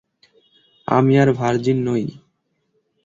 আমি আর ভার্জিন নই।